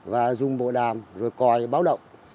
và dùng bộ đàm rồi còi báo động